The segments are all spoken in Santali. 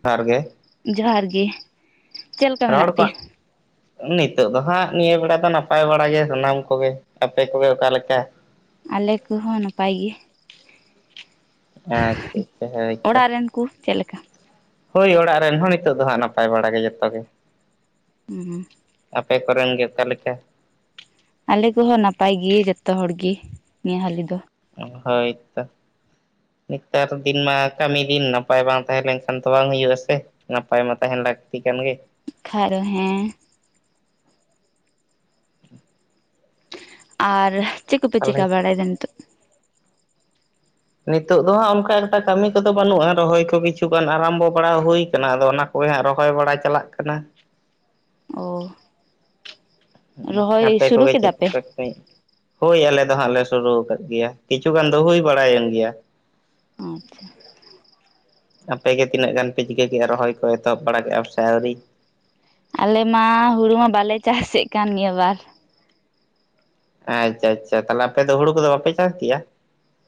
ᱡᱚᱦᱟᱨ ᱜᱮ ᱡᱚᱦᱟᱨ ᱜᱮ ᱪᱮᱫ ᱞᱮᱠᱟ ᱨᱚᱲ ᱢᱮᱱᱟᱜ ᱠᱚ ᱯᱮᱭᱟ? [unintelligible] ᱱᱤᱛᱚᱜ ᱫᱚ ᱦᱟᱸᱜ ᱱᱤᱭᱟᱹ ᱵᱮᱲᱟ ᱫᱚ ᱱᱟᱯᱟᱭ ᱵᱟᱲᱟ ᱜᱮ ᱥᱟᱱᱟᱢ ᱠᱚᱜᱮ ᱟᱯᱮ ᱠᱚᱜᱮ ᱚᱠᱟ ᱞᱮᱠᱟ ᱟᱞᱮ ᱠᱚ ᱦᱚᱸ ᱱᱟᱯᱟᱭ ᱜᱮ ᱟᱪᱪᱷᱟ ᱟᱪᱪᱷᱟ ᱦᱳᱭ ᱛᱚ [unintelligible] ᱦᱳᱭ ᱚᱲᱟᱜ ᱨᱮᱱ ᱦᱚᱸ ᱱᱤᱛᱚᱜ ᱫᱚ ᱦᱟᱸᱜ ᱱᱟᱯᱟᱭ ᱵᱟᱲᱟ ᱜᱮ ᱡᱚᱛᱚ ᱜᱮ ᱦᱩᱸ [unintelligible] ᱟᱯᱮ ᱠᱚ ᱨᱮᱱ ᱜᱮ ᱚᱠᱟ ᱞᱮᱠᱟ ᱟᱞᱮ ᱠᱚᱦᱚᱸ ᱱᱟᱯᱟᱭ ᱜᱮ ᱡᱚᱛᱚ ᱦᱚᱲ ᱜᱮ ᱱᱤᱭᱟᱹ ᱦᱟᱹᱞᱤ ᱫᱚ ᱦᱳᱭᱛᱚ ᱱᱮᱛᱟᱨ ᱫᱤᱱ ᱢᱟ ᱠᱟᱹᱢᱤ ᱫᱤᱱ ᱱᱟᱯᱟᱭ ᱵᱟᱝ ᱛᱟᱦᱮᱸ ᱞᱮᱱᱠᱷᱟᱱ ᱫᱚ ᱵᱟᱝ ᱦᱩᱭᱩᱜ ᱟ ᱥᱮ᱾ ᱱᱟᱯᱟᱭ ᱢᱟ ᱛᱟᱦᱮᱱ ᱞᱟᱹᱠᱛᱤ ᱠᱟᱱ ᱜᱮ᱾ ᱠᱷᱟᱡ ᱫᱚ [unintelligible] ᱦᱮᱸ ᱟᱨ ᱪᱮᱫ ᱠᱚᱯᱮ ᱪᱮᱠᱟ ᱛᱟᱦᱚᱞᱮ ᱵᱟᱲᱟᱭᱫᱟ ᱱᱤᱛᱚᱜ ᱱᱤᱛᱚᱜ ᱫᱚ ᱦᱟᱸᱜ ᱚᱱᱠᱟ ᱮᱠᱴᱟᱜ ᱠᱟᱹᱢᱤ ᱠᱚᱫᱚ ᱵᱟᱹᱱᱩᱜᱼᱟ ᱨᱚᱦᱚᱭ ᱠᱚ ᱠᱤᱪᱷᱩᱜᱟᱱ ᱟᱨᱟᱢᱵᱚ ᱵᱟᱲᱟ ᱦᱩᱭ ᱠᱟᱱᱟ ᱟᱫᱚ ᱚᱱᱟ ᱦᱳᱭ ᱦᱟᱸᱜ ᱨᱚᱦᱚᱭ ᱵᱟᱲᱟ ᱪᱟᱞᱟᱜ ᱠᱟᱱᱟ ᱚᱼᱼ ᱟᱯᱮ ᱠᱚ ᱜᱮ ᱪᱮᱫ ᱠᱚ ᱯᱮ ᱠᱟᱢᱤᱼᱼ ᱦᱳᱭ ᱟᱞᱮ ᱫᱚ ᱦᱟᱸᱜ ᱞᱮ ᱥᱩᱨᱩ ᱟᱠᱟᱫ ᱜᱮᱭᱟ ᱠᱤᱪᱷᱩ ᱜᱟᱱ ᱫᱚ ᱦᱩᱭ ᱵᱟᱲᱟᱭᱮᱱ ᱜᱮᱭᱟ ᱾ ᱟᱪᱪᱷᱟ ᱾ ᱟᱯᱮ ᱜᱮ ᱛᱤᱱᱟᱹᱜ ᱜᱟᱱ ᱯᱮ ᱪᱤᱠᱟᱹ ᱠᱮᱜᱼᱟ ᱨᱚᱦᱚᱭ ᱠᱚ ᱮᱛᱚᱦᱚᱵ ᱵᱟᱲᱟ ᱠᱮᱫᱟ ᱥᱮ ᱟᱹᱣᱨᱤ? ᱟᱞᱮ ᱢᱟ ᱦᱩᱲᱩ ᱢᱟ ᱵᱟᱞᱮ ᱪᱟᱥ ᱮᱫ ᱠᱟᱱ ᱜᱮᱭᱟ ᱱᱤᱭᱟᱹ ᱵᱟᱨ ᱾ ᱟᱪᱪᱷᱟ ᱟᱪᱪᱷᱟ, ᱛᱟᱦᱞᱮ ᱟᱯᱮ ᱫᱚ ᱦᱩᱲᱩ ᱠᱚ ᱫᱚ ᱵᱟᱯᱮ ᱪᱟᱥ ᱜᱮᱭᱟ?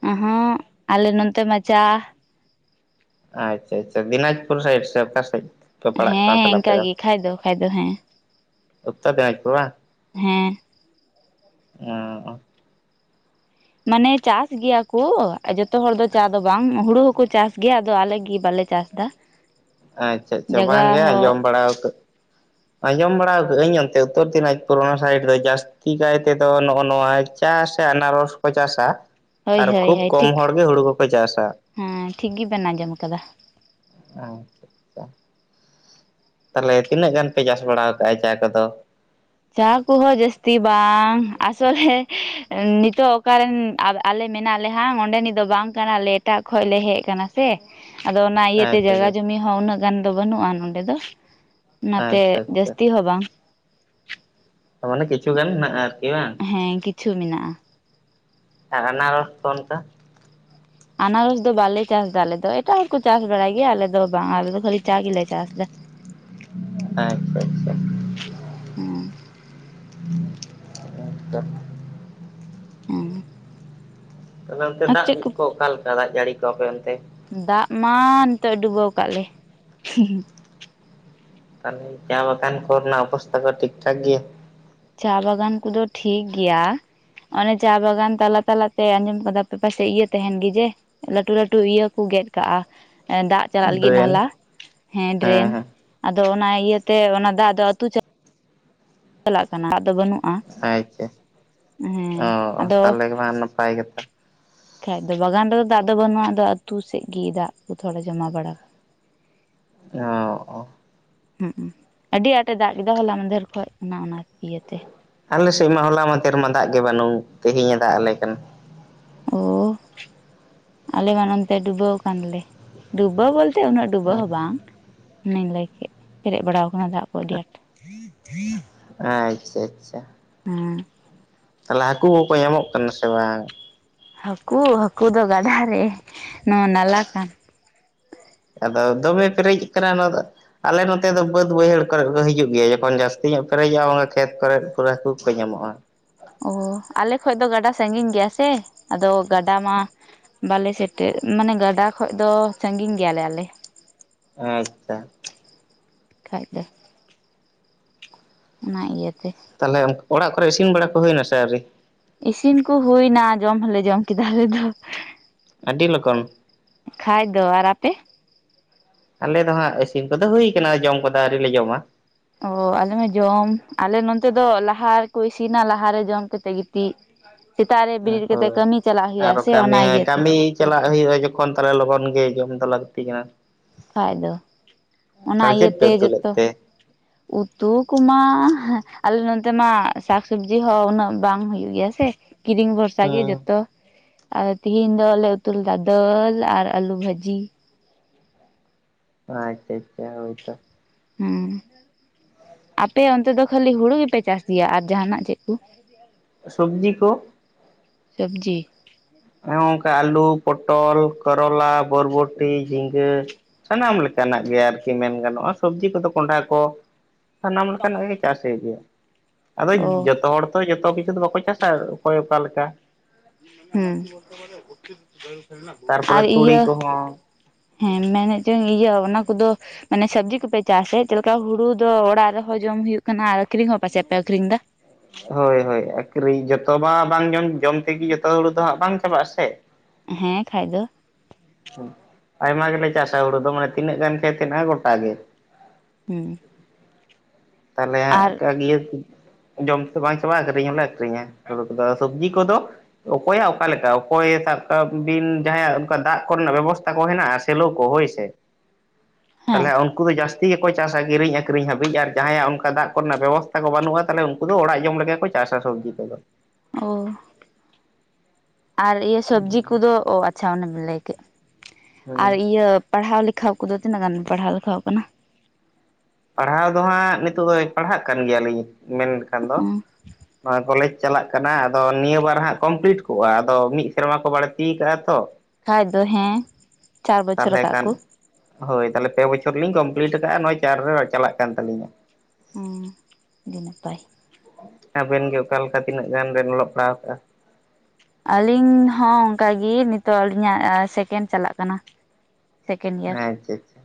ᱚᱦᱚᱸᱜᱸ ᱟᱞᱮ ᱱᱚᱱᱛᱮ ᱢᱟ ᱪᱟ ᱼᱼ ᱟᱪᱪᱷᱟ ᱟᱪᱪᱷᱟ ᱫᱤᱱᱟᱡᱯᱩᱨ ᱥᱟᱭᱤᱰ ᱥᱮ ᱚᱠᱟ ᱥᱮᱫ? ᱯᱮ ᱯᱟᱲᱟᱜ ᱠᱟᱱᱟ ᱦᱮᱸ ᱛᱟᱦᱚᱞᱮ ᱟᱯᱮ ᱤᱱᱠᱟ ᱜᱮ ᱠᱷᱟᱡ ᱫᱚ ᱠᱷᱟᱡ ᱫᱚ ᱦᱮᱸ ᱾ [unintelligible] ᱦᱮᱸ ᱾ ᱚᱸᱻ ᱢᱟᱱᱮ ᱪᱟᱥ ᱜᱮᱭᱟ ᱠᱩ ᱡᱚᱛᱚ ᱦᱚᱲ ᱫᱚ ᱪᱟ ᱫᱚ ᱵᱟᱝ ᱦᱩᱲᱩ ᱦᱚᱸᱠᱚᱼᱼ ᱪᱟᱥ ᱜᱮᱭᱟ ᱟᱫᱚ ᱟᱞᱮ ᱜᱤ ᱵᱟᱞᱮ ᱪᱟᱥ ᱫᱟ ᱾ ᱟᱪᱪᱷᱟ ᱟᱪᱪᱷᱟ ᱵᱟᱝ ᱜᱮ ᱟᱡᱚᱢ ᱵᱟᱲᱟ ᱠᱟᱫ ᱼᱼ ᱟᱸᱡᱚᱢ ᱵᱟᱲᱟ ᱠᱟᱜ ᱟᱹᱧ ᱚᱱᱛᱮ ᱩᱛᱛᱚᱨ ᱫᱤᱱᱟᱡᱽᱯᱩᱨ ᱚᱱᱟ ᱥᱟᱭᱤᱰ ᱨᱮ ᱡᱟᱹᱥᱛᱤ ᱠᱟᱭ ᱛᱮ ᱫᱚ ᱱᱚᱜᱼᱚ ᱱᱚᱣᱟᱼᱼ ᱪᱟ ᱥᱮ ᱟᱱᱟᱨᱚᱥ ᱠᱚ ᱪᱟᱥᱟ᱾ ᱟᱨ ᱦᱳᱭ ᱦᱳᱭ ᱠᱷᱩᱵ ᱦᱳᱭ ᱠᱚᱢ ᱴᱷᱤᱠ ᱦᱚᱲᱜᱮ ᱦᱩᱲᱩ ᱠᱚᱠᱚ ᱪᱟᱥᱟ᱾ ᱦᱮᱸ ᱴᱷᱤᱠ ᱜᱮᱵᱮᱱ ᱟᱸᱡᱚᱢ ᱟᱠᱟᱫᱟ ᱟᱪᱷᱟ ᱟᱪᱪᱷᱟ ᱾ ᱛᱟᱦᱚᱞᱮ ᱛᱤᱱᱟᱹᱜ ᱜᱟᱱ ᱯᱮ ᱪᱟᱥ ᱵᱟᱲᱟ ᱟᱠᱟᱜᱼᱟ ᱪᱟ ᱠᱚᱫᱚ? ᱪᱟ ᱠᱚᱦᱚᱸ ᱡᱟᱹᱥᱛᱤ ᱵᱟᱝ ᱟᱥᱚᱞᱮ ᱱᱤᱛᱚᱜ ᱚᱠᱟᱨᱮᱱ ᱼᱼ ᱟᱞᱮ ᱢᱮᱱᱟᱜ ᱞᱮ ᱦᱟᱜ ᱚᱸᱰᱮᱱᱤᱡ ᱫᱚ ᱵᱟᱝ ᱠᱟᱱᱟᱞᱮ ᱮᱴᱟᱜ ᱠᱷᱚᱡ ᱞᱮ ᱦᱮᱡ ᱠᱟᱱᱟ᱾ ᱥᱮ ᱟᱫᱚ ᱚᱱᱟ ᱤᱭᱟᱹᱛᱮ ᱟᱪᱪᱷᱟ ᱡᱟᱭᱜᱟ ᱡᱚᱢᱤ ᱦᱚᱸ ᱩᱱᱟᱹᱜ ᱜᱟᱱ ᱫᱚ ᱵᱟᱹᱱᱩᱜᱼᱟ ᱱᱚᱰᱮ ᱫᱚ᱾ ᱚᱱᱟᱛᱮ ᱟᱪᱪᱷᱟ ᱟᱪᱪᱷᱟ ᱡᱟᱹᱥᱛᱤ ᱦᱚᱸ ᱵᱟᱝ ᱾ ᱚ ᱢᱟᱱᱮ ᱠᱤᱪᱩ ᱜᱟᱱ ᱢᱮᱱᱟᱜ-ᱟ ᱟᱨᱠᱤ ᱵᱟᱝ? ᱦᱮᱸ ᱠᱤᱪᱷᱩ ᱢᱮᱱᱟᱜᱼᱟ᱾ ᱟᱱᱟᱨᱚᱥ ᱠᱚ ᱚᱱᱠᱟ? ᱟᱱᱟᱨᱚᱥ ᱫᱚ ᱵᱟᱞᱮ ᱪᱟᱥ ᱮᱫᱟ ᱟᱞᱮ ᱫᱚ ᱮᱴᱟᱜ ᱦᱚᱲ ᱠᱚ ᱪᱟᱥ ᱵᱟᱲᱟᱭ ᱜᱮᱭᱟ ᱟᱞᱮ ᱫᱚ ᱵᱟᱝ, ᱟᱞᱮ ᱫᱚ ᱠᱷᱟᱹᱞᱤ ᱪᱟ ᱜᱮᱞᱮ ᱪᱟᱥ ᱮᱫᱟ᱾ ᱟᱪᱪᱷᱟ ᱟᱪᱪᱷᱟ ᱾ ᱦᱮᱸᱼᱼ ᱟᱪᱪᱷᱟ ᱦᱮᱸ ᱾ ᱛᱟᱦᱚᱞᱮ ᱚᱱᱛᱮ ᱫᱟᱜ ᱠᱚ ᱚᱠᱟ ᱞᱮᱠᱟ ᱫᱟᱜ ᱡᱟᱹᱲᱤ ᱠᱚ ᱟᱯᱮ ᱚᱱᱛᱮ? ᱫᱟᱜ ᱢᱟ ᱱᱤᱛᱚᱜ ᱰᱩᱵᱟᱹᱣ ᱟᱠᱟᱫ ᱞᱮ ᱾ ᱛᱟᱦᱚᱞᱮ ᱪᱟ ᱵᱟᱜᱟᱱ ᱠᱚ ᱨᱮᱱᱟᱜ ᱚᱵᱚᱥᱛᱟ ᱠᱚ ᱴᱷᱤᱠ ᱴᱷᱟᱠ ᱜᱮᱭᱟ? ᱪᱟ ᱵᱟᱜᱟᱱ ᱠᱚᱫᱚ ᱴᱷᱤᱠ ᱜᱮᱭᱟ᱾ ᱚᱱᱮ ᱪᱟ ᱵᱟᱜᱟᱱ ᱛᱟᱞᱟ ᱛᱟᱞᱟᱛᱮ ᱟᱸᱡᱚᱢ ᱠᱟᱫᱟ ᱯᱮ ᱯᱟᱥᱮᱡ ᱤᱭᱟᱹ ᱛᱟᱦᱮᱱ ᱜᱮ ᱡᱮ ᱼᱼ ᱞᱟᱹᱴᱩ ᱞᱟᱹᱴᱩ ᱤᱭᱟᱹ ᱠᱩ ᱜᱮᱫ ᱠᱟᱜᱼᱟ ᱫᱟᱜᱼᱼ ᱪᱟᱞᱟᱜ ᱞᱟᱹᱜᱤᱫ ᱰᱨᱮᱱ ᱱᱟᱞᱟ ᱦᱮᱸ ᱰᱨᱮᱱ ᱟᱫᱚ ᱚᱱᱟ ᱤᱭᱟᱹᱛᱮ ᱚᱱᱟ ᱫᱟᱜ ᱫᱚ ᱟᱹᱛᱩ ᱪᱟᱞᱟᱜᱼᱼ ᱪᱟᱞᱟᱜ ᱠᱟᱱᱟ ᱟᱫᱚ ᱵᱟᱹᱱᱩᱜ ᱼᱼ ᱟᱪᱪᱷᱟ ᱚ ᱟᱫᱚ ᱛᱟᱦᱚᱞᱮ ᱢᱟ ᱱᱟᱯᱟᱭ ᱜᱮ ᱛᱚ ᱾ ᱠᱷᱟᱡ ᱫᱚ ᱵᱟᱜᱟᱱ ᱨᱮ ᱫᱟᱜ ᱫᱚ ᱵᱟᱹᱱᱩᱜ-ᱟ ᱟᱫᱚ ᱟᱹᱛᱩ ᱥᱮᱫ ᱜᱤ ᱫᱟᱜ ᱠᱚ ᱛᱷᱚᱲᱟ ᱡᱚᱢᱟ ᱵᱟᱲᱟ ᱼᱼ ᱚᱸᱻ ᱦᱩᱸ ᱟᱹᱰᱤ ᱟᱸᱴᱮ ᱫᱟᱜ ᱠᱮᱫᱟ ᱦᱚᱞᱟ ᱢᱟᱫᱷᱮᱨ ᱠᱷᱚᱡ ᱚᱱᱟ ᱚᱱᱟ ᱤᱭᱟᱹᱛᱮ ᱾ ᱟᱞᱮ ᱥᱮᱫ ᱢᱟ ᱦᱚᱞᱟ ᱢᱟᱫᱷᱮᱨ ᱢᱟ ᱫᱟᱜ ᱜᱮ ᱵᱟᱹᱱᱩᱜ ᱛᱮᱦᱮᱧ ᱮ ᱫᱟᱜ ᱟᱞᱮ ᱠᱟᱱ ᱾ ᱳ ᱟᱞᱮ ᱢᱟ ᱱᱚᱱᱛᱮ ᱰᱩᱵᱟᱹᱣ ᱠᱟᱱᱞᱮ ᱰᱩᱵᱟᱹᱣ ᱵᱚᱞᱼᱼ ᱛᱮ ᱩᱱᱟᱹᱜ ᱰᱩᱵᱟᱹᱣ ᱦᱚᱸ ᱵᱟᱝ ᱾ ᱚᱱᱮᱧ ᱞᱟᱹᱭ ᱠᱮᱫ ᱯᱮᱨᱮᱡ ᱵᱟᱲᱟᱣ ᱠᱟᱱᱟ ᱫᱟᱜ ᱠᱚ ᱟᱹᱰᱤ ᱟᱸᱴ ᱾ ᱟᱪᱪᱷᱟ ᱟᱪᱪᱷᱟ ᱾ ᱦᱩᱸ ᱾ ᱛᱟᱦᱚᱞᱮ ᱦᱟᱠᱩ ᱠᱚᱠᱚ ᱧᱟᱢᱚᱜ ᱠᱟᱱᱟ ᱥᱮ ᱵᱟᱝ ᱦᱟᱹᱠᱩ ᱦᱟᱹᱠᱩ ᱫᱚ ᱜᱟᱰᱟ ᱨᱮ ᱱᱚᱣᱟ ᱱᱟᱞᱟ ᱟᱫᱚ ᱫᱚᱢᱮ ᱯᱮᱨᱮᱡ ᱟᱠᱟᱱᱟ ᱱᱚᱣᱟ ᱫᱚ ᱟᱞᱮ ᱱᱚᱛᱮ ᱫᱚ ᱵᱟᱹᱫᱽ ᱵᱟᱹᱭᱦᱟᱹᱲ ᱠᱚᱨᱮ ᱠᱚ ᱦᱤᱡᱩᱜ ᱜᱮᱭᱟ ᱡᱚᱠᱷᱚᱱ ᱡᱟᱹᱥᱛᱤ ᱧᱚᱜ ᱯᱮᱨᱮᱡᱚᱜ-ᱟ ᱠᱷᱮᱛ ᱠᱚᱨᱮ ᱯᱩᱨᱟᱹ ᱦᱟᱹᱠᱩ ᱠᱚ ᱧᱟᱢᱚᱜ-ᱟ᱾ ᱟᱞᱮ ᱠᱷᱚᱱ ᱫᱚ ᱜᱟᱰᱟ ᱥᱟᱺᱜᱤᱧ ᱜᱮᱭᱟ ᱥᱮ ᱟᱫᱚ ᱜᱟᱰᱟ ᱢᱟ ᱵᱟᱞᱮ ᱥᱮᱴᱮᱨ ᱢᱟᱱᱮ ᱜᱟᱰᱟ ᱠᱷᱚᱡ ᱫᱚ ᱥᱟᱸᱜᱤᱧ ᱜᱮᱭᱟᱞᱮ ᱟᱞᱮ ᱟᱪᱪᱷᱟ ᱠᱷᱟᱡ ᱫᱚ ᱚᱱᱟ ᱤᱭᱟᱹᱛᱮ ᱛᱟᱦᱞᱮ ᱚᱲᱟᱜ ᱠᱚᱨᱮ ᱤᱥᱤᱱ ᱵᱟᱲᱟ ᱠᱚ ᱦᱩᱭᱱᱟ ᱥᱮ ᱟᱹᱣᱨᱤ ᱤᱥᱤᱱ ᱠᱩ ᱦᱩᱭᱱᱟ ᱡᱚᱢ ᱦᱚᱞᱮ ᱡᱚᱢ ᱠᱮᱫᱟ ᱟᱞᱮ ᱫᱚ ᱟᱰᱤ ᱞᱚᱜᱚᱱ ᱠᱷᱟᱡ ᱫᱚ ᱟᱨ ᱟᱯᱮ ᱟᱞᱮ ᱫᱚ ᱦᱟᱸᱜ ᱤᱥᱤᱱ ᱠᱚᱫᱚ ᱦᱩᱭᱩ ᱠᱟᱱᱟ ᱡᱚᱢ ᱠᱚᱫᱚ ᱟᱹᱶᱨᱤᱞᱮ ᱡᱚᱢᱟ ᱚ ᱟᱞᱮᱢᱟ ᱡᱚᱢ ᱟᱞᱮ ᱱᱚᱱᱛᱮ ᱫᱚ ᱞᱟᱦᱟ ᱨᱮᱠᱚ ᱤᱥᱤᱱᱟ ᱞᱟᱦᱟ ᱨᱮ ᱡᱚᱢ ᱛᱤ ᱥᱮᱛᱟᱜ ᱨᱮ ᱵᱤᱨᱤᱫ ᱠᱟᱛᱮ ᱦᱳᱭ ᱠᱟᱹᱢᱤ ᱪᱟᱞᱟᱜ ᱦᱩᱭᱩᱜ-ᱟ ᱟᱨᱚ ᱥᱮ ᱠᱟᱹᱢᱤ ᱚᱱᱟ ᱦᱚᱸ ᱤᱭᱟᱹ ᱠᱟᱹᱢᱤ ᱪᱟᱞᱟᱜ ᱦᱩᱭᱩᱜ-ᱟ ᱡᱚᱠᱷᱚᱱ ᱛᱟᱦᱚᱞᱮ ᱞᱚᱜᱚᱱ ᱜᱮ ᱡᱚᱢ ᱫᱚ ᱞᱟᱹᱠᱛᱤ ᱠᱟᱱᱟ ᱠᱷᱟᱡ ᱫᱚ ᱚᱱᱟ ᱛᱟᱦᱚᱞᱮ ᱪᱮᱫ ᱯᱮ ᱤᱭᱟᱹᱛᱮ ᱩᱛᱩ ᱞᱮᱫ ᱡᱚᱛᱚ ᱛᱮ ᱩᱛᱩ ᱠᱚᱢᱟ ᱟᱞᱮ ᱱᱚᱱᱛᱮ ᱢᱟ ᱥᱟᱠᱥᱚᱵᱽᱡᱤ ᱦᱚᱸ ᱩᱱᱟᱹᱜ ᱵᱟᱝ ᱦᱩᱭᱩᱜ ᱜᱮᱭᱟ ᱠᱤᱨᱤᱧ ᱵᱚᱥ ᱥᱟᱸᱜᱮ ᱦᱩᱸ ᱡᱚᱛᱚ ᱟᱫᱚ ᱛᱤᱦᱤᱧ ᱫᱚᱞᱮ ᱩᱛᱩ ᱞᱮᱫᱟ ᱫᱟᱹᱞ ᱟᱨ ᱟᱹᱞᱩ ᱵᱷᱟᱹᱡᱤ ᱟᱪᱪᱷᱟ ᱟᱪᱪᱷᱟ ᱦᱳᱭ ᱛᱚ ᱦᱩᱸ ᱟᱯᱮᱭᱟᱜ ᱚᱱᱛᱮ ᱫᱚ ᱠᱷᱟᱞᱤ ᱦᱩᱲᱩ ᱜᱮᱯᱮ ᱪᱟᱥ ᱜᱮᱭᱟ ᱟᱨ ᱡᱟᱦᱟᱱᱟᱜ ᱪᱮᱜ ᱠᱩ ᱥᱚᱵᱽᱡᱤ ᱠᱚ ᱥᱚᱵᱽᱡᱤ ᱦᱮᱸ ᱚᱝᱠᱟ ᱟᱞᱩ, ᱯᱚᱴᱚᱞ, ᱠᱚᱨᱚᱞᱟ, ᱵᱚᱨᱵᱚᱴᱤ, ᱡᱷᱤᱸᱜᱟᱹ, ᱥᱟᱱᱟᱢ ᱞᱮᱠᱟᱱᱟᱜ ᱜᱮ ᱟᱨᱠᱤ ᱢᱮᱱ ᱜᱟᱱᱚᱜᱼᱟ ᱥᱚᱵᱽᱡᱤ ᱠᱚᱫᱚ ᱠᱚᱸᱰᱷᱟ ᱠᱚᱼᱼ ᱥᱟᱱᱟᱢ ᱞᱮᱠᱟᱱᱟᱜ ᱜᱮ ᱪᱟᱥ ᱦᱩᱭᱩᱜ ᱜᱮᱭᱟ, ᱟᱫᱚ ᱚ ᱡᱚᱛᱚ ᱦᱚᱲᱼᱼ ᱛᱚ ᱡᱚᱛᱚ ᱠᱤᱪᱷᱩ ᱫᱚ ᱵᱟᱠᱚ ᱪᱟᱥᱟ ᱚᱠᱚᱭ ᱚᱠᱟ ᱞᱮᱠᱟ᱾ ᱦᱩᱸ ᱟᱨ ᱛᱟᱨᱯᱚᱨᱮ ᱛᱩᱲᱤ ᱤᱭᱟᱹ ᱠᱚᱦᱚᱸ ᱦᱮᱸ ᱢᱮᱱᱮᱜ ᱪᱩᱧ ᱤᱭᱟᱹ ᱚᱱᱟ ᱠᱚᱼᱫᱚ ᱢᱟᱱᱮ ᱥᱚᱵᱽᱡᱤ ᱠᱚᱯᱮ ᱪᱟᱥ ᱮᱜ ᱪᱮᱜ ᱞᱮᱠᱟ ᱦᱩᱲᱩ ᱫᱚ ᱚᱲᱟᱜ ᱨᱮᱦᱚᱸ ᱡᱚᱢ ᱦᱩᱭᱩᱜ ᱠᱟᱱᱟ ᱟᱨ ᱟᱠᱷᱨᱤᱧ ᱦᱚᱸ ᱯᱟᱥᱮᱜ ᱯᱮ ᱟᱠᱷᱨᱤᱧ ᱫᱟ᱾ ᱦᱚᱭ ᱦᱚᱭ ᱟᱠᱷᱨᱤᱧ ᱡᱚᱛᱚ ᱢᱟ ᱵᱟᱝ ᱡᱚᱢ, ᱡᱚᱢ ᱛᱮᱜᱮ ᱡᱚᱛᱚ ᱦᱩᱲᱩ ᱫᱚ ᱦᱟᱸᱜ ᱵᱟᱝ ᱪᱟᱵᱟᱜ ᱟᱥᱮ ᱾ [inaudible] ᱦᱮᱸ ᱠᱷᱟᱡ ᱫᱚ ᱟᱭᱢᱟ ᱜᱮᱞᱮ ᱪᱟᱥᱟ ᱦᱳᱲᱳ ᱫᱚ ᱢᱟᱱᱮ ᱛᱤᱱᱟᱹᱜ ᱜᱟᱱ ᱠᱷᱮᱛ ᱦᱮᱱᱟᱜ-ᱟ ᱜᱚᱴᱟ ᱜᱮ ᱦᱩ ᱛᱟᱦᱞᱮ ᱦᱟᱸᱜ ᱤᱭᱟᱹ ᱡᱚᱢ ᱛᱮ ᱵᱟᱝ ᱪᱟᱵᱟᱜ-ᱟ᱾ ᱟᱠᱷᱨᱤᱧ ᱦᱚᱸᱞᱮ ᱟᱠᱷᱨᱤᱧᱟ [unintelligible] ᱥᱚᱵᱽᱡᱤ ᱠᱚᱫᱚ? ᱚᱠᱚᱭᱟᱜ ᱚᱠᱟᱞᱮᱠᱟ ᱚᱠᱚᱭ ᱥᱟᱵ ᱠᱟᱜ ᱵᱤᱱ ᱡᱟᱦᱟᱸᱭᱟᱜ ᱚᱱᱠᱟ ᱫᱟᱜ ᱠᱚᱨᱮᱱᱟᱜ ᱵᱮᱵᱚᱥᱛᱟ ᱠᱚ ᱦᱮᱱᱟᱜᱼᱟ ᱥᱮᱞᱚ ᱠᱚ ᱦᱳᱭ ᱥᱮ, ᱦᱮᱸ ᱛᱟᱦᱞᱮ ᱩᱱᱠᱩ ᱫᱚ ᱡᱟᱹᱥᱛᱤ ᱜᱮᱠᱚ ᱪᱟᱥᱟ, ᱠᱤᱨᱤᱧ ᱟᱠᱷᱨᱤᱧ ᱦᱟᱹᱵᱤᱡ ᱟᱨ ᱡᱟᱦᱟᱸᱭᱟᱜ ᱚᱱᱠᱟ ᱫᱟᱜ ᱠᱚᱨᱮᱱᱟᱜ ᱵᱮᱵᱚᱥᱛᱟ ᱠᱚ ᱵᱟᱹᱱᱩᱜ-ᱟ ᱛᱟᱦᱚᱞᱮ ᱩᱱᱠᱩ ᱫᱚ ᱚᱲᱟᱜ ᱡᱚᱢ ᱞᱮᱜᱮ ᱠᱚ ᱪᱟᱥᱟ ᱥᱚᱵᱽᱡᱤ ᱠᱚᱫᱚ᱾ ᱳ, ᱟᱨ ᱤᱭᱟᱹ ᱥᱚᱵᱽᱡᱤ ᱠᱚᱫᱚ ᱚ ᱟᱪᱪᱷᱟ ᱚᱱᱮᱢ ᱞᱟᱹᱭ ᱠᱮᱜ ᱟᱨ ᱦᱮᱸ ᱤᱭᱟᱹ ᱯᱟᱲᱦᱟᱣ ᱞᱮᱠᱷᱟ ᱠᱚᱫᱚ ᱛᱤᱱᱟᱹᱜ ᱜᱟᱱ ᱯᱟᱲᱦᱟᱣ ᱞᱮᱠᱷᱟᱣ ᱠᱟᱱᱟ? ᱯᱟᱲᱦᱟᱣ ᱫᱚ ᱦᱟᱸᱜ ᱱᱤᱛᱚᱜ ᱫᱚ ᱯᱟᱲᱦᱟᱜ ᱠᱟᱱ ᱜᱮᱭᱟᱞᱤᱧ ᱢᱮᱱ ᱞᱮᱠᱷᱟᱱ ᱫᱚ ᱠᱚᱞᱮᱡᱽ ᱪᱟᱞᱟᱜ ᱠᱟᱱᱟ ᱟᱫᱚ ᱱᱤᱭᱟᱹ ᱵᱟᱨ ᱦᱟᱸᱜ ᱠᱚᱢᱯᱞᱤᱴ ᱠᱚᱜ-ᱟ ᱟᱫᱚ ᱢᱤᱫ ᱥᱮᱨᱢᱟ ᱠᱚ ᱵᱟᱹᱲᱛᱤᱤᱭ ᱟᱠᱟᱟᱜ-ᱟ ᱛᱚ ᱦᱚᱭ ᱛᱚ ᱦᱮᱸ ᱪᱟᱨ ᱵᱚᱪᱷᱚᱨ ᱛᱟᱦᱚᱞᱮ ᱟᱠᱟᱫ ᱠᱚ ᱠᱷᱟᱱ ᱦᱳᱭ ᱛᱟᱦᱚᱞᱮ ᱯᱮ ᱵᱚᱪᱷᱚᱨ ᱞᱤᱧ ᱠᱚᱢᱯᱞᱤᱴ ᱟᱠᱟᱟᱜ-ᱟ ᱱᱚᱜᱭ ᱪᱟᱨ ᱨᱮ ᱪᱟᱞᱟᱜ ᱠᱟᱱ ᱛᱟᱹᱞᱤᱧᱟ ᱚ ᱟᱹᱰᱤ ᱱᱟᱯᱟᱭ ᱟᱵᱮᱱ ᱜᱮ ᱚᱠᱟᱞᱮᱠᱟ ᱛᱤᱱᱟᱹᱜ ᱜᱟᱱ ᱵᱮᱱ ᱚᱞᱚᱜ ᱯᱟᱲᱦᱟᱣ ᱠᱟᱜ-ᱟ᱾ ᱟᱹᱞᱤᱧ ᱦᱚᱸ ᱚᱱᱠᱟᱜᱤ ᱱᱤᱛᱚᱜ ᱟᱹᱞᱤᱧᱟᱜ ᱥᱮᱠᱮᱱᱰ ᱪᱟᱞᱟᱜ ᱠᱟᱱᱟ ᱥᱮᱠᱮᱱᱰ ᱤᱭᱟᱨ ᱟᱪᱪᱷᱟ ᱟᱪᱪᱷᱟ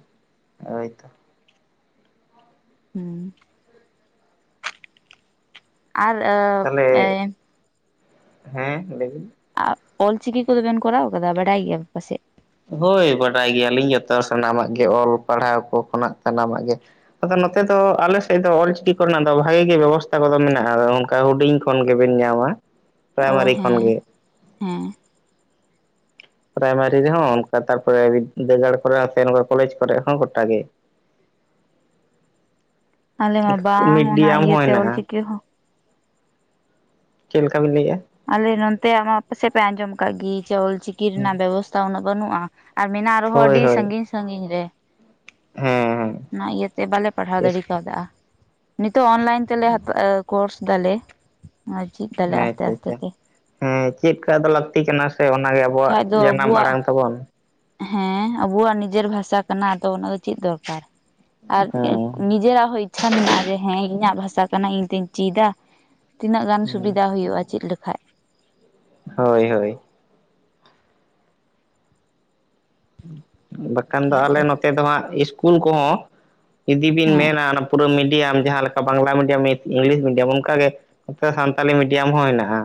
ᱦᱟᱭᱛᱚ ᱦᱩ ᱟᱨ ᱛᱟᱦᱚᱞᱮ ᱮ ᱦᱮᱸ ᱞᱟᱹᱭᱵᱤᱱ ᱟᱨ ᱚᱞ ᱪᱤᱠᱤ ᱠᱚᱫᱚ ᱵᱮᱮᱱ ᱠᱚᱨᱟᱣ ᱟᱠᱟᱫᱟ ᱵᱟᱰᱟᱭ ᱜᱮᱭᱟ ᱯᱟᱥᱮᱡ ᱦᱳᱭ ᱵᱟᱰᱟᱭ ᱜᱮᱭᱟᱞᱤᱧ ᱡᱚᱛᱚ ᱥᱟᱱᱟᱢᱟᱜ ᱜᱮ ᱚᱞ ᱯᱟᱲᱦᱟᱣ ᱠᱚ ᱠᱷᱚᱱᱟᱜ ᱥᱟᱱᱟᱢᱟᱜ ᱜᱮ ᱟᱫᱚ ᱱᱚᱛᱮ ᱫᱚ ᱟᱞᱮ ᱥᱮᱫ ᱫᱚ ᱚᱞᱪᱤᱠᱤ ᱠᱚᱨᱮᱱᱟᱜ ᱫᱚ ᱵᱷᱟᱜᱮ ᱜᱮ ᱵᱮᱵᱚᱥᱛᱷᱟ ᱠᱚᱫᱚ ᱢᱮᱱᱟᱜ-ᱟ ᱟᱫᱚ ᱚᱱᱠᱟ ᱦᱩᱰᱤᱧ ᱠᱷᱚᱱ ᱜᱮᱵᱤᱱ ᱧᱟᱢᱟ ᱚ ᱯᱨᱟᱭᱢᱟᱨᱤ ᱠᱷᱚᱱ ᱦᱮᱸ ᱜᱮ ᱦᱮᱸ ᱯᱨᱟᱭᱢᱟᱨᱤ ᱨᱮᱦᱚᱸ ᱚᱱᱠᱟ ᱛᱟᱨᱯᱚᱨᱮ ᱵᱤᱫᱽᱫᱟᱹᱜᱟᱲ ᱠᱚᱨᱮ ᱦᱚᱸ ᱥᱮ ᱱᱚᱠᱟ ᱠᱚᱞᱮᱡᱽ ᱠᱚᱨᱮ ᱦᱚᱸ ᱜᱚᱴᱟ ᱜᱮ ᱟᱞᱮ ᱢᱟ ᱵᱟᱝ ᱚᱱᱟ ᱢᱤᱰᱤᱭᱟᱢ ᱦᱚᱸ ᱤᱭᱟᱹᱛᱮ ᱦᱮᱱᱟᱜᱼᱟ ᱚᱞᱪᱤᱠᱤ ᱦᱚᱸ ᱪᱮᱫ ᱞᱮᱠᱟ ᱵᱤᱱ ᱞᱟᱹᱭᱮᱫ-ᱟ ᱟᱞᱮ ᱱᱚᱛᱮ ᱟᱢᱟᱜ ᱯᱟᱥᱮᱡ ᱯᱮ ᱟᱸᱡᱚᱢ ᱟᱠᱟᱫ ᱜᱮ ᱡᱮ ᱚᱞᱪᱤᱠᱤ ᱨᱮᱱᱟᱜ ᱵᱮᱵᱚᱥᱛᱷᱟ ᱩᱱᱟᱹᱜ ᱵᱟᱹᱱᱩᱜ-ᱟ ᱟᱨ ᱢᱮᱱᱟᱜ-ᱟ ᱟᱨᱦᱚᱸ ᱦᱳᱭ ᱟᱹᱰᱤ ᱦᱳᱭ ᱥᱟᱺᱜᱤᱧ ᱥᱟᱺᱜᱤᱧ ᱨᱮ ᱦᱮᱸ ᱦᱮᱸ ᱚᱱᱟ ᱤᱭᱟᱹᱛᱮ ᱵᱟᱞᱮ ᱯᱟᱲᱦᱟᱣ ᱮᱥ ᱫᱟᱲᱮ ᱠᱟᱣᱫᱟ ᱱᱤᱛᱳᱜ ᱚᱱᱞᱟᱭᱤᱱ ᱛᱮ ᱛᱮᱞᱮ ᱦᱟ ᱠᱳᱨᱥ ᱫᱟᱞᱮ ᱟᱨ ᱪᱮᱫ ᱫᱟᱞᱮ ᱟᱥᱛᱮ ᱟᱪᱪᱷᱟ ᱟᱥᱛᱮ ᱟᱪᱪᱷᱟ ᱛᱮ ᱦᱮᱸ ᱪᱮᱫ ᱞᱮᱠᱟ ᱫᱚ ᱞᱟᱹᱠᱛᱤ ᱠᱟᱱᱟ ᱥᱮ ᱚᱱᱟᱜ ᱟᱵᱚᱣᱟᱜ ᱵᱟᱠᱷᱟᱡ ᱫᱚ ᱡᱟᱱᱟᱢ ᱟᱵᱚᱣᱟᱜ ᱟᱲᱟᱝ ᱛᱟᱵᱚᱱ ᱦᱮᱸ ᱟᱵᱚᱣᱟᱜ ᱱᱤᱡᱮᱨ ᱵᱷᱟᱥᱟ ᱠᱟᱱᱟ ᱟᱫᱚ ᱚᱱᱟᱫᱚ ᱪᱮᱫ ᱫᱚᱨᱠᱟᱨ ᱟᱨ ᱦᱮᱸ ᱱᱤᱡᱮᱨᱟᱜ ᱦᱚᱸ ᱤᱪᱪᱷᱟ ᱢᱮᱱᱟᱜ-ᱟ ᱡᱮ ᱦᱮᱸ ᱤᱧᱟᱹᱜ ᱵᱷᱟᱥᱟ ᱠᱟᱱᱟ ᱤᱧ ᱛᱤᱧ ᱪᱤᱫᱫᱟ ᱛᱤᱱᱟᱹᱜ ᱜᱟᱱ ᱦᱮᱸ ᱥᱩᱵᱤᱫᱷᱟ ᱦᱩᱭᱩᱜ-ᱟ ᱪᱮᱫ ᱞᱮᱠᱟᱱ ᱦᱳᱭ ᱦᱳᱭ ᱵᱟᱠᱷᱟᱱ ᱫᱚ ᱟᱞᱮ ᱱᱚᱛᱮ ᱫᱚ ᱦᱟᱸᱜ ᱤᱥᱠᱩᱞ ᱠᱚᱦᱚᱸ ᱤᱫᱤ ᱵᱤᱱ ᱦᱮᱸ ᱢᱮᱱᱟ ᱚᱱᱟ ᱯᱩᱨᱟᱹ ᱢᱤᱰᱤᱭᱟᱢ ᱡᱟᱦᱟᱸ ᱞᱮᱠᱟ ᱵᱟᱝᱞᱟ ᱢᱤᱰᱤᱭᱟᱢ ᱢᱤᱫ ᱤᱝᱞᱤᱥ ᱢᱤᱰᱤᱭᱟᱢ ᱚᱱᱠᱟᱜᱮ ᱱᱚᱛᱮ ᱥᱟᱱᱛᱟᱞᱤ ᱢᱤᱰᱤᱭᱟᱢ ᱦᱚᱸ ᱦᱮᱱᱟᱜᱼᱟ᱾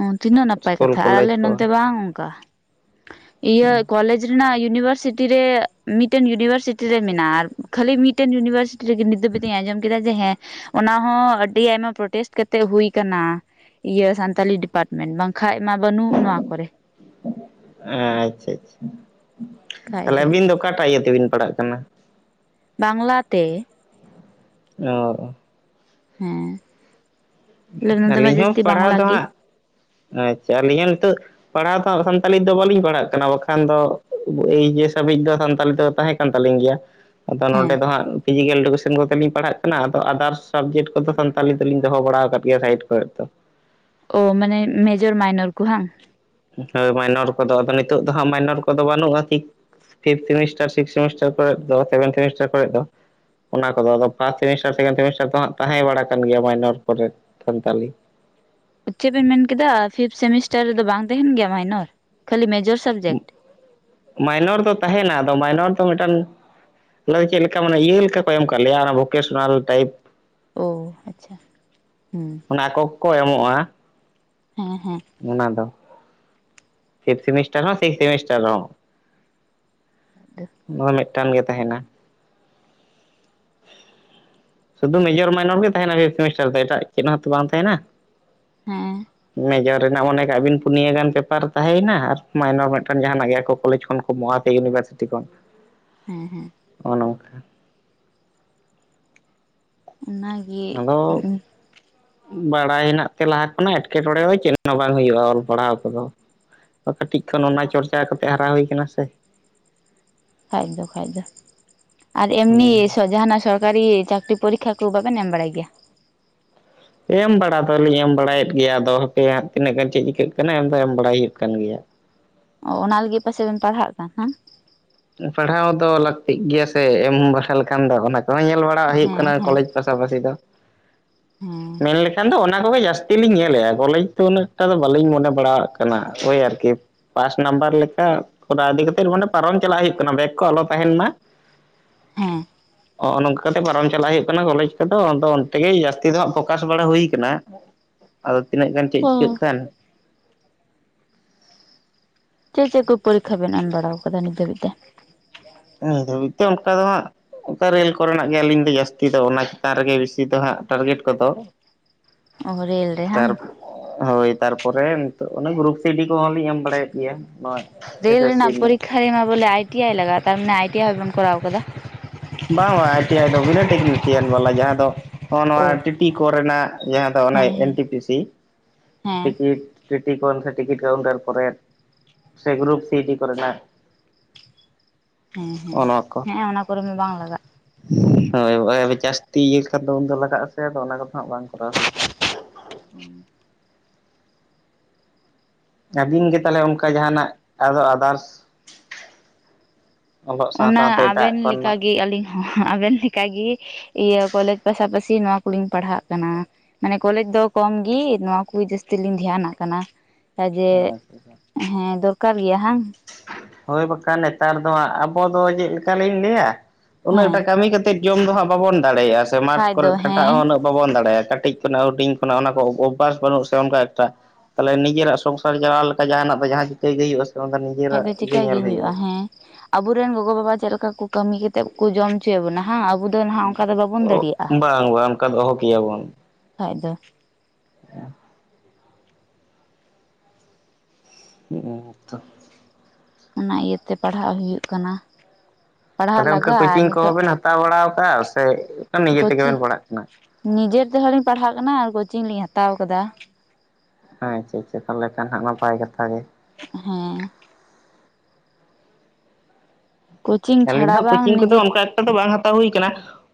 ᱚ ᱛᱤᱱᱟᱹᱜ ᱱᱟᱯᱟᱭ ᱤᱥᱠᱩᱞ ᱠᱟᱛᱷᱟ ᱟᱨ ᱠᱚᱞᱮᱡᱽ ᱟᱞᱮ ᱠᱚ ᱱᱚᱱᱛᱮ ᱵᱟᱝ ᱚᱱᱠᱟ ᱤᱭᱟᱹ ᱠᱚᱞᱮᱡᱽ ᱨᱮᱱᱟᱜ ᱤᱭᱩᱱᱤᱵᱷᱟᱨᱥᱤᱴᱤ ᱨᱮ ᱢᱤᱫᱴᱮᱱ ᱤᱭᱩᱱᱤᱵᱷᱟᱨᱥᱤᱴᱤ ᱨᱮ ᱟᱨ ᱠᱷᱹᱟᱞᱤ ᱢᱤᱫᱴᱮᱱ ᱤᱭᱩᱱᱤᱵᱷᱟᱨᱥᱤᱴᱤ ᱱᱤᱫ ᱫᱚ ᱟᱸᱡᱚᱢ ᱠᱮᱫᱟ ᱡᱮ ᱦᱮᱸ ᱚᱱᱟᱦᱚ ᱟᱹᱰᱤ ᱟᱭᱢᱟ ᱯᱨᱚᱴᱮᱥᱴ ᱠᱟᱛᱮᱜ ᱦᱩᱭ ᱟᱠᱟᱱᱟ ᱤᱭᱟᱹ ᱥᱟᱱ ᱥᱟᱱᱛᱟᱞᱤ ᱰᱤᱯᱟᱨᱴᱢᱮᱱᱴ ᱵᱟᱝᱠᱷᱟᱭ ᱢᱟ ᱵᱟᱹᱱᱩᱜ ᱱᱚᱣᱟ ᱠᱚᱨᱮᱜ᱾ ᱟᱪᱪᱷᱟ ᱟᱪᱪᱷᱟ ᱛᱟᱞᱮ ᱟᱹᱵᱤᱱ ᱫᱚ ᱚᱠᱟᱴᱟᱜ ᱤᱭᱟᱹ ᱛᱮᱵᱤᱱ ᱯᱟᱲᱟᱜ ᱠᱟᱱᱟ? ᱵᱟᱝᱞᱟᱛᱮ᱾ ᱧᱚ ᱚ ᱦᱮᱸ ᱞᱟ. ᱭ ᱫᱟᱵᱤᱱ ᱟᱹᱞᱤᱧ ᱦᱚᱸ ᱡᱟᱹᱥᱛᱤ ᱯᱟᱲᱦᱟᱣ ᱵᱟᱝᱞᱟ ᱫᱚ ᱜᱮ᱾ ᱦᱟᱸᱜ ᱟᱪᱪᱷᱟ ᱟᱞᱤᱧ ᱧᱮᱞ ᱱᱤᱛᱚᱜ ᱯᱟᱲᱦᱟᱣ ᱴᱷᱚ ᱥᱟᱱᱛᱟᱞᱤ ᱫᱚ ᱵᱟᱝ ᱞᱤᱧ ᱯᱟᱲᱦᱟᱣ ᱠᱟᱱᱟ ᱵᱟᱠᱷᱟᱱ ᱫᱚ ᱮᱭᱮᱪ ᱮᱥ ᱦᱟᱵᱤᱫ ᱫᱚ ᱥᱟᱱᱛᱟᱞᱤ ᱛᱮ ᱫᱚ ᱛᱟᱦᱮᱸ ᱠᱟᱱᱟ᱾ ᱠᱟᱱ ᱛᱟᱹᱞᱤᱧ ᱜᱮᱭᱟ ᱟᱫᱚ ᱱᱚᱰᱮ ᱦᱮᱸ ᱫᱚ ᱦᱟᱸᱜ ᱯᱷᱤᱡᱤᱠᱮᱞ ᱮᱰᱩᱠᱮᱥᱚᱱ ᱠᱚᱛᱮᱞᱤᱧ ᱯᱷᱤᱡᱤᱠᱮᱞᱮ ᱰᱩᱠᱮᱥᱮᱱ ᱠᱚ ᱛᱮ ᱯᱟᱲᱦᱟᱜ ᱠᱟᱱᱟ ᱟᱫᱚ ᱟᱫᱟᱨᱥ ᱥᱟᱵᱡᱮᱠᱴ ᱠᱚᱫᱚ ᱥᱟᱱᱛᱟᱞᱤ ᱛᱮᱞᱤᱧ ᱫᱚᱦᱚ ᱵᱟᱲᱟᱟᱣ ᱟᱠᱟᱫ ᱤᱭᱟ. ᱥᱟᱭᱤᱴ ᱠᱚ ᱨᱮᱫ ᱫᱚ ᱳ ᱢᱟᱱᱮ ᱢᱮᱡᱚᱨ ᱢᱟᱭᱱᱚᱨ ᱠᱚ ᱦᱟᱝ ᱦᱳᱭ ᱢᱟᱭᱱᱚᱨ ᱠᱚ ᱫᱚ ᱟᱫᱚ ᱱᱤᱛᱳ ᱫᱚ ᱦᱟᱜ ᱢᱟᱭᱱᱚᱨ ᱠᱚᱫᱚ ᱵᱟᱹᱱᱩᱜᱼᱟ ᱠᱤ? ᱯᱷᱤᱯᱷ ᱥᱮᱢᱤᱥᱴᱟᱨ ᱥᱤᱠᱥ ᱥᱮᱢᱤᱥᱴᱟᱨ ᱠᱚᱨᱮ ᱫᱚ ᱥᱮᱵᱷᱮᱱ ᱥᱮᱢᱤᱥᱴᱟᱨ ᱠᱚᱨᱮ ᱫᱚ ᱚᱱᱟ ᱠᱚᱫᱚ ᱟᱫᱚ ᱯᱷᱟᱥᱴ ᱥᱮᱢᱤᱥᱴᱟᱨ, ᱚᱱᱟ ᱠᱚᱫᱚ ᱟᱫᱚ ᱯᱟᱥ ᱥᱮᱢᱤᱥᱴᱟᱨ ᱥᱮᱠᱮᱱᱰ ᱥᱮᱢᱤᱥᱴᱟᱨ ᱠᱚ ᱦᱟᱸᱜ ᱛᱟᱦᱮᱸ ᱵᱟᱲᱟ ᱠᱟᱱ ᱜᱤᱭᱟ ᱢᱟᱭᱱᱚᱨ ᱠᱚᱨᱮᱫ ᱥᱟᱱᱛᱟᱞᱤ ᱪᱮᱫ ᱵᱮᱱ ᱢᱮᱱᱠᱮᱫᱟ ᱯᱷᱤᱯ ᱥᱮᱢᱤᱥᱴᱟᱨ ᱨᱮᱫᱚ ᱵᱟᱝ ᱛᱟᱦᱮᱸᱱ ᱜᱮᱭᱟ ᱢᱟᱭᱱᱚᱨ ᱠᱷᱟᱹᱞᱤ ᱢᱮᱡᱚᱨᱥ ᱩᱸ ᱢᱟᱭᱱᱚᱨ ᱫᱚ ᱛᱟᱦᱮᱱᱟ ᱟᱫᱚ ᱢᱟᱭᱱᱚᱨ ᱫᱚ ᱢᱤᱫᱴᱟᱱ ᱞᱟᱹᱭ ᱠᱮ ᱞᱮᱠᱟᱢ ᱢᱟᱱᱮ ᱤᱭᱟᱹ ᱞᱮᱠᱟ ᱠᱚ ᱮᱢ ᱠᱟᱜ ᱞᱮᱭᱟ ᱚᱱᱟ ᱵᱷᱚᱠᱮᱥᱱᱟᱞ ᱴᱟᱭᱤᱯ᱾ ᱳ ᱟᱪᱪᱷᱟ ᱦᱩᱸ ᱚᱱᱟ ᱠᱚᱻᱠᱚ ᱮᱢᱚᱜᱼᱟ ᱦᱮᱸᱻᱦᱮᱸ ᱚᱱᱟ ᱫᱚ ᱯᱷᱤᱯ ᱥᱮᱢᱤᱥᱴᱟᱨ ᱦᱚᱸ ᱥᱤᱠᱥ ᱥᱮᱢᱤᱥᱴᱟᱨ ᱦᱚᱸᱼᱼ ᱱᱚᱭ ᱢᱤᱫᱴᱟᱝ ᱜᱮ ᱛᱟᱦᱮᱱᱟ᱾ ᱥᱩᱫᱷᱩ ᱢᱮᱡᱚᱨ ᱢᱟᱭᱱᱚᱨ ᱜᱮ ᱛᱟᱦᱮᱱᱟ ᱯᱷᱯ ᱥᱮᱢᱤᱥᱴᱟᱨ ᱫᱚ ᱮᱴᱟᱜ ᱪᱮᱫ ᱦᱚᱸᱛᱚ ᱵᱟᱝ ᱛᱟᱦᱮᱱᱟ᱾ ᱦᱮᱸ ᱢᱮᱡᱚᱨ ᱨᱮᱱᱟᱜ ᱢᱚᱱᱮ ᱠᱟᱜ ᱵᱤᱱ ᱯᱩᱱᱭᱟᱹ ᱜᱟᱱ ᱯᱮᱯᱟᱨ ᱛᱟᱦᱮᱸᱭᱮᱱᱟ ᱟᱨ ᱢᱟᱭᱱᱚᱨ ᱢᱤᱫᱴᱟᱝ ᱡᱟᱦᱟᱱᱟᱜ ᱜᱮ ᱟᱠᱚ ᱠᱚᱞᱮᱡᱽ ᱠᱷᱚᱱ ᱠᱚ ᱢᱳᱭᱟ ᱥᱮ ᱤᱭᱩᱱᱤᱵᱷᱟᱨᱥᱤᱴᱤ ᱠᱷᱚᱱ [inaudible] ᱦᱮᱸᱻ ᱦᱮᱸ ᱚ ᱱᱚᱝᱠᱟ ᱚ ᱱᱟᱹᱭ ᱤᱠ ᱟᱫᱚ ᱵᱟᱲᱟᱭ ᱱᱟᱜ ᱛᱮᱞᱟ ᱚᱱᱮ ᱮᱴᱠᱮᱴᱚᱬᱮ ᱫᱚ ᱪᱮᱫ ᱦᱚᱸ ᱵᱟᱝ ᱦᱩᱭᱩᱜᱼᱟ ᱚᱞᱚᱜ ᱯᱟᱲᱦᱟᱣ ᱠᱚ ᱫᱚ ᱠᱟᱹᱴᱤᱡ ᱠᱷᱚᱱ ᱚᱱᱟ ᱪᱚᱨᱪᱟ ᱠᱟᱛᱮ ᱦᱟᱨᱟ ᱦᱩᱭ ᱠᱟᱱᱟ ᱥᱮ᱾ ᱠᱷᱟᱡ ᱡᱚᱠᱷᱟᱡ ᱫᱚ ᱟᱨ ᱮᱢᱱᱤ ᱦᱮᱸ ᱥᱚᱡᱟ ᱱᱟᱜ ᱥᱚᱨ ᱥᱚᱨᱠᱟᱨᱤ ᱪᱟᱹᱠᱨᱤ ᱯᱚᱨᱤᱠᱠᱷᱟ ᱠᱚ ᱵᱟᱵᱮᱱ ᱮᱢ ᱵᱟᱲᱟᱭ ᱜᱮᱭᱟ ᱮᱢ ᱵᱟᱲᱟ ᱫᱚᱞᱤᱧ ᱮᱢ ᱵᱟᱲᱟᱭᱮᱫ ᱜᱮᱭᱟ ᱟᱫᱚ ᱦᱟᱯᱮ ᱦᱟᱜ ᱛᱤᱱᱟᱹᱜ ᱜᱟᱱ ᱪᱮᱫ ᱪᱤᱠᱟᱹᱜ ᱠᱟᱱᱟ ᱮᱢ ᱫᱚ ᱮᱢ ᱵᱟᱲᱟᱭ ᱦᱩᱭᱩᱜ ᱠᱟᱱ ᱜᱮᱭᱟ᱾ ᱚ ᱚᱱᱟ ᱞᱟᱹᱜᱤᱫ ᱯᱟᱪᱮᱜ ᱵᱮᱱ ᱯᱟᱲᱦᱟᱜ ᱠᱟᱱ ᱦᱟᱝ ᱯᱟᱲᱦᱟᱣ ᱫᱚ ᱞᱟᱹᱠᱛᱤᱜ ᱜᱮᱭᱟ ᱥᱮ ᱮᱢ ᱵᱟᱲᱟ ᱞᱮᱠᱷᱟᱱ ᱫᱚ ᱚᱱᱟ ᱠᱚᱻᱦᱚᱸ ᱧᱮᱞ ᱵᱟᱲᱟ ᱞᱟᱲᱦᱟᱜ ᱦᱩᱭᱩᱜ ᱦᱮᱸ ᱠᱟᱱᱟ ᱦᱮᱸ ᱠᱚᱞᱮᱡᱽ ᱯᱟᱥᱟᱯᱟᱥᱤ ᱫᱚ ᱦᱮᱸ ᱼᱼ ᱢᱮᱱ ᱞᱮᱠᱷ ᱧᱮᱞ ᱫᱚ ᱚᱱᱟ ᱠᱚᱜᱤ ᱡᱟᱹᱥᱛᱤ ᱞᱤᱧ ᱧᱮᱞ ᱮᱭᱟ ᱠᱚᱞᱮᱡᱽ ᱫᱚ ᱩᱱᱟᱹᱜ ᱮᱠᱴᱟ ᱫᱚ ᱵᱟᱹᱞᱤᱧ ᱢᱚᱱᱮ ᱵᱟᱲᱟᱜ ᱠᱟᱱᱟ ᱳᱭ ᱟᱨᱠᱤ᱾ ᱯᱟᱥ ᱱᱟᱢᱵᱟᱨ ᱞᱮᱠᱟ ᱠᱚᱨᱟ ᱤᱫᱤ ᱠᱟᱛᱮᱜ ᱢᱟᱱᱮ ᱯᱟᱨᱳᱢ ᱪᱟᱞᱟᱜ ᱦᱩᱭᱩᱜ ᱠᱟᱱᱟ ᱵᱮᱜᱽ ᱠᱚ ᱟᱞᱚ ᱛᱟᱦᱮᱸᱱ ᱢᱟ ᱵᱮᱸᱻ ᱦᱚᱜ ᱚ ᱱᱚᱝᱠᱟ ᱠᱟᱛᱮ ᱯᱟᱨᱚᱢ ᱪᱟᱞᱟᱜ ᱦᱩᱭᱩᱜ ᱠᱟᱱᱟ ᱠᱚᱞᱮᱡᱽ ᱠᱚᱫᱚ ᱟᱫᱚ ᱚᱱᱛᱮ ᱜᱮ ᱡᱟᱥᱛᱤ ᱫᱚ ᱦᱟᱜ ᱯᱷᱚᱠᱟᱥ ᱵᱟᱲᱟ ᱦᱩᱭ ᱠᱟᱱᱟ ᱟᱫᱚ ᱛᱤᱱᱟᱹᱜ ᱜᱟᱱ ᱪᱮᱫ ᱚ ᱪᱤᱠᱟᱹᱜ ᱠᱟᱱ ᱪᱮᱫ ᱪᱮᱫ ᱠᱩ ᱯᱚᱨᱤᱠᱷᱟ ᱵᱮᱱ ᱮᱢ ᱵᱟᱲᱟ ᱟᱠᱟᱫᱟ ᱱᱤᱛ ᱫᱷᱟᱹᱵᱤᱡ ᱛᱮ ᱱᱤᱛ ᱫᱷᱟᱹᱵᱤᱡ ᱛᱮ ᱚᱱᱠᱟ ᱫᱚ ᱦᱟᱜ ᱚᱠᱟ ᱨᱮᱞ ᱠᱚᱨᱮᱱᱟᱜ ᱜᱮ ᱟᱹᱞᱤᱧ ᱫᱚ ᱡᱟᱹᱥᱛᱤ ᱫᱚ ᱚᱱᱟ ᱪᱮᱛᱟᱱ ᱨᱮ ᱜᱮ ᱵᱮᱥᱤ ᱫᱚ ᱦᱟᱸᱜ ᱴᱟᱨᱜᱮᱴ ᱠᱚᱫᱚ ᱚ ᱨᱮᱞ ᱨᱮ ᱦᱟᱝ ᱛᱟᱨ ᱦᱳᱭ ᱛᱟᱨᱯᱚᱨᱮ ᱱᱤᱛᱳᱜ ᱚᱱᱮ ᱜᱨᱩᱯ ᱥᱤᱰᱤ ᱠᱚ ᱢᱟ ᱞᱤᱧ ᱮᱢ ᱵᱟᱲᱟᱭᱮᱫ ᱜᱮᱭᱟ ᱱᱚᱣᱟ ᱮᱥ ᱮᱥ ᱥᱤ ᱨᱮᱱᱟᱜ ᱯᱷᱟᱭᱮ ᱢᱟ ᱵᱚᱞᱮ ᱟᱭ. ᱴᱤ. ᱟᱭ. ᱞᱟᱜᱟᱜ ᱟ ᱛᱟᱨ ᱢᱟᱱᱮ ᱟᱭ, ᱴᱤ. ᱟᱭ. ᱦᱚᱸᱵᱮᱱ ᱠᱚᱨᱟᱣ ᱠᱟᱫᱟ ᱵᱟ ᱵᱟ ᱟᱭ. ᱴᱤ. ᱟᱭ. ᱫᱚ ᱵᱤᱱᱟᱹ ᱴᱮᱠᱱᱤᱥᱤᱭᱟᱱ ᱵᱟᱞᱟ ᱡᱟᱦᱟᱸ ᱫᱚ ᱦᱚᱸᱜᱼ ᱱᱚᱣᱟ ᱚ ᱴᱤ. ᱴᱤ. ᱠᱚᱨᱮᱱᱟᱜ ᱡᱟᱦᱟᱸ ᱫᱚ ᱚᱱᱟ ᱦᱮᱸ ᱮᱱ. ᱦᱮᱸ ᱴᱤ. ᱯᱤ. ᱥᱤ. ᱦᱮᱸ ᱴᱤᱠᱤᱴ ᱴᱤ. ᱴᱤ ᱠᱳᱞ ᱴᱤᱠᱤᱴ ᱠᱟᱣᱩᱱᱴᱟᱨ ᱠᱚᱨᱮ ᱥᱤ ᱜᱨᱩᱯ ᱥᱤ ᱰᱤ. ᱠᱚᱨᱮ ᱡᱟᱦᱟ ᱦᱮᱸᱻᱦᱮᱸ ᱱᱚᱜᱼᱚ ᱱᱚᱣᱟ ᱠᱚ ᱦᱮᱸᱼᱚᱱᱟ ᱠᱚᱨᱮ ᱢᱟ ᱵᱟᱝ ᱞᱟᱜᱟᱜ ᱦᱳᱭ ᱡᱟᱹᱥᱛᱤ ᱤᱭᱟᱹ ᱠᱷᱟᱱ ᱫᱚ ᱩᱱᱫᱚ ᱞᱟᱜᱟᱜ ᱟᱥᱮ ᱟᱫᱚ ᱚᱱᱟ ᱠᱚ ᱫᱚ ᱦᱟᱸᱜ ᱵᱟᱝ ᱠᱚᱨᱟᱣ ᱦᱩᱭ ᱠᱟᱱᱟ [unintelligible] ᱟᱹᱵᱤᱱ ᱜᱮ ᱛᱟᱦᱚᱞᱮ ᱚᱱᱠᱟ ᱡᱟᱦᱟᱱᱟᱜ ᱟᱨᱦᱚ ᱟᱫᱟᱨᱥ ᱚᱞᱚᱜ ᱥᱟᱶ ᱚᱱᱟ ᱥᱟᱶᱛᱮ ᱟᱵᱮᱱ ᱮᱴᱟᱜ ᱞᱮᱠᱟ ᱠᱚᱨᱮᱱᱟᱜ ᱜᱮ ᱟᱹᱞᱤᱧ ᱦᱚᱸ ᱟᱵᱮᱱ ᱞᱮᱠᱟ ᱜᱮ ᱤᱭᱟᱹ ᱠᱚᱞᱮᱡᱽ ᱯᱟᱥᱟᱯᱟᱥᱤ ᱱᱚᱶᱟ ᱠᱚᱞᱤᱧ ᱯᱟᱲᱦᱟᱜ ᱠᱟᱱᱟ᱾ ᱢᱟᱱᱮ ᱠᱚᱞᱮᱡᱽ ᱫᱚ ᱠᱚᱢᱜᱤ ᱱᱚᱣᱟ ᱠᱚ ᱜᱮ ᱡᱟᱹᱥᱛᱤᱞᱤᱧ ᱫᱷᱮᱭᱟᱱᱟᱜ ᱠᱟᱱᱟ᱾ ᱠᱟᱡᱮ ᱦᱮᱸ ᱫᱚᱨᱠᱟᱨ ᱜᱮᱭᱟ ᱦᱟᱝ ᱦᱳᱭ ᱵᱟᱠᱷᱟᱱ ᱱᱮᱛᱟᱨ ᱫᱚ ᱦᱟᱸᱜ ᱟᱵᱚ ᱫᱚ ᱪᱮᱫᱞᱮᱠᱟᱞᱤᱧ ᱞᱟᱹᱭᱟ ᱩᱱᱟ. ᱦᱮᱸ ᱜᱴᱟ ᱠᱟᱹᱢᱤ ᱠᱟᱛ ᱡᱚᱢ ᱫᱚ ᱦᱟᱸᱜ ᱵᱟᱵᱚᱱ ᱫᱟᱲᱮᱭᱟᱜᱼᱟ ᱥᱮ ᱢᱟᱴᱷ ᱠᱷᱟᱡ ᱠᱚᱨᱮ ᱫᱚ ᱠᱷᱟᱴᱟᱜ ᱦᱮᱸ ᱦᱚᱸ ᱩᱱᱟᱹᱜ ᱵᱟᱵᱚᱱ ᱫᱟᱲᱮᱭᱟᱜᱼᱟ ᱠᱟᱹᱴᱤᱡ ᱠᱷᱚᱱᱟᱜ ᱦᱩᱰᱤᱧ ᱠᱷᱚᱱᱟᱜ ᱚᱱᱟ ᱠᱚ ᱚᱵᱵᱷᱟᱥ ᱵᱟᱹᱱᱩᱜ ᱥᱮ ᱚᱱᱠᱟ ᱮᱠᱴᱟ᱾ ᱛᱟᱦᱚᱞᱮ ᱱᱤᱡᱮᱨᱟᱜ ᱥᱚᱝᱥᱟᱨ ᱡᱟᱦᱟ ᱞᱮᱠᱟ ᱡᱟᱦᱱᱟᱜ ᱫᱚ ᱡᱟᱦᱟᱸ ᱪᱤᱠᱟᱹᱭ ᱜᱮ ᱦᱩᱭᱩᱜᱼᱟ ᱥᱮ ᱵᱟᱠᱷᱟᱡ ᱫᱚ ᱪᱤᱠᱟᱭ ᱜᱮ ᱦᱩᱭᱩᱜᱼᱟ ᱦᱮᱸ ᱟᱵᱚᱨᱮᱱ ᱜᱚᱜᱚ ᱵᱟᱵᱟ ᱪᱮᱫ ᱞᱮᱠᱟ ᱠᱚ ᱠᱟᱹᱢᱤ ᱠᱟᱛᱮᱫ ᱠᱚ ᱡᱚᱢ ᱚᱪᱚᱭᱮᱫ ᱵᱚᱱᱟ ᱦᱟᱸᱜ ᱟᱵᱩ᱾ ᱛᱚ ᱱᱟᱦᱟᱜ ᱚᱱᱠᱟ ᱫᱚ ᱵᱟᱵᱚᱱ ᱫᱟᱲᱮᱭᱟᱜᱼᱟ ᱵᱟᱝ ᱵᱟᱝ ᱚᱱᱠᱟ ᱫᱚᱦᱚ ᱠᱮᱭᱟᱵᱚᱱ ᱠᱷᱟᱡ ᱫᱚ᱾‌ ᱦᱚ ᱩ ᱛᱚ ᱚᱱᱟ ᱤᱭᱟᱹᱛᱮ ᱯᱟᱲᱦᱟᱜ ᱦᱩᱭᱩᱜ ᱠᱟᱱᱟ᱾ ᱯᱟᱲᱦᱟᱜ ᱛᱟᱦᱚᱞᱮ ᱞᱟᱜᱟᱜᱼᱟ ᱜᱚᱝᱠᱮᱠᱳᱪᱤᱝ ᱠᱚ ᱱᱤᱛᱚᱜ ᱵᱟᱵᱮᱱ ᱦᱟᱛᱟᱣ ᱵᱟᱲᱟ ᱠᱟᱜᱼᱟ ᱥᱮ ᱱᱤᱡᱮ ᱛᱮ ᱜᱮ ᱵᱮᱱ ᱯᱟᱲᱦᱟᱜ ᱠᱟᱱᱟ ᱱᱤᱡᱮ ᱛᱮᱦᱚᱸ ᱞᱤᱧ ᱯᱟᱲᱦᱟᱜ ᱠᱟᱱᱟ ᱟᱨ ᱠᱳᱪᱤᱝ ᱞᱤᱧ ᱦᱟᱛᱟᱣ ᱠᱟᱫᱟ᱾ ᱦᱮᱸᱪᱮ ᱪᱮ ᱛᱟᱦᱚᱞᱮ ᱠᱷᱟᱱ ᱦᱟᱸᱜ ᱱᱟᱯᱟᱭ ᱠᱟᱛᱷᱟᱟᱜ ᱜᱮ᱾ ᱦᱮᱸ ᱠᱳᱪᱤᱝ ᱟᱹᱞᱤᱧ ᱪᱷᱟᱲᱟ ᱦᱚᱸ ᱵᱟᱝ ᱠᱳᱪᱤᱝ ᱠᱚᱫᱚ ᱱᱤᱡᱮ ᱚᱱᱠᱟ ᱮᱠᱴᱟ ᱫᱚ ᱵᱟᱝ ᱦᱟᱛᱟᱣ ᱦᱩᱭ ᱠᱟᱱᱟ᱾